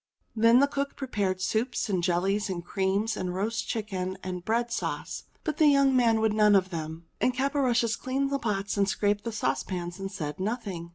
Then the cook prepared soups, and jellies, and creams, and roast chicken, and bread sauce ; but the young man would none of them. And Caporushes cleaned the pots and scraped the sauce pans and said nothing.